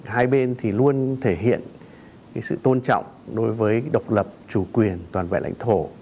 hai bên thì luôn thể hiện sự tôn trọng đối với độc lập chủ quyền toàn vẹn lãnh thổ